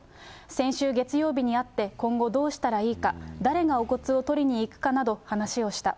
先週月曜日に会って、今後どうしたらいいか、誰がお骨を取りに行くかなど、話をした。